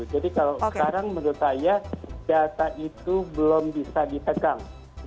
kalau sekarang menurut saya data itu belum bisa dipegang